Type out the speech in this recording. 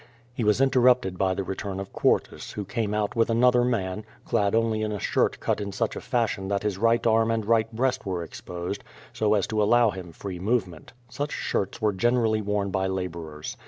*' He was interrupted by the return of Quartus, who came out with another man, clad only in a shirt cut in such a fashion that his right arm and right breast were exposed, so as to al low him free movement. Such shirts were generally worn by laborers.